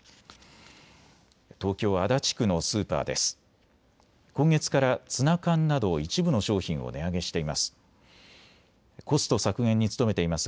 東京足立区のスーパーです。